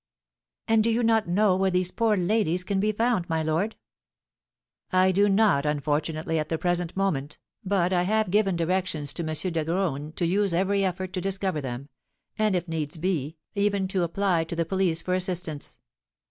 "And do you not know where these poor ladies can be found, my lord?" "I do not, unfortunately, at the present moment, but I have given directions to M. de Graün to use every effort to discover them, and, if needs must be, even to apply to the police for assistance.